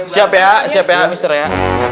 siap ya siap ya mister ya